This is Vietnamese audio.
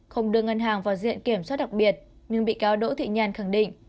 không đưa ngân hàng vào diện kiểm soát đặc biệt nhưng bị cáo đỗ thị nhàn khẳng định